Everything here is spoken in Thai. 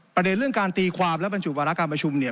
ประเด็นเรื่องการตีความและบรรจุวาระการประชุมเนี่ย